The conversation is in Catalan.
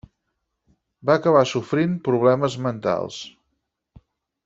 Va acabar sofrint problemes mentals.